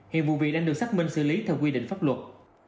hiện vụ việc đang được xác minh xử lý theo quy định pháp luật